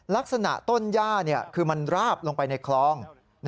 ลักษณะต้นย่าคือมันราบลงไปในคลอง